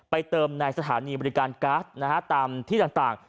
เติมในสถานีบริการก๊าซตามที่ต่าง